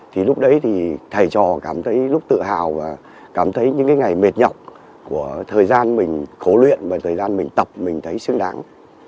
thì lúc đấy thì thầy trò cảm thấy lúc tự hào và cảm thấy những cái ngày mệt nhọc của thời gian mình khổ luyện và thời gian mình tập mình thấy xứng đáng